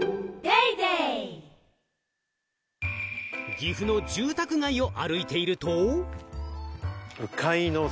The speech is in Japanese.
岐阜の住宅街を歩いていると。